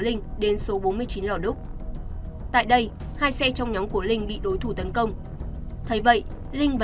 linh đến số bốn mươi chín lò đúc tại đây hai xe trong nhóm của linh bị đối thủ tấn công thấy vậy linh và